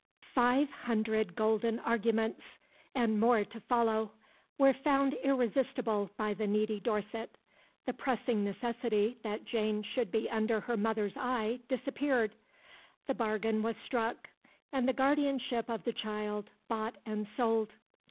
Five hundred golden arguments, and more to follow, were found irresistible by the needy Dorset. The pressing necessity that Jane should be under her mother's eye disappeared; the bargain was struck, and the guardianship of the child bought and sold.